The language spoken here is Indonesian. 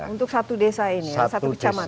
untuk satu desa ini ya